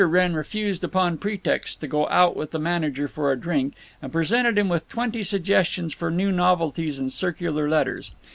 Wrenn refused, upon pretexts, to go out with the manager for a drink, and presented him with twenty suggestions for new novelties and circular letters.